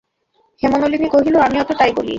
হেমনলিনী কহিল, আমিও তো তাই বলি।